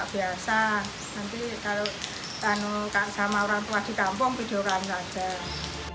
nanti kalau sama orang tua di kampung pindah orang saja